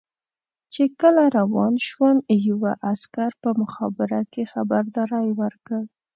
چې کله روان شوم یوه عسکر په مخابره کې خبرداری ورکړ.